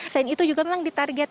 selain itu juga memang ditargetkan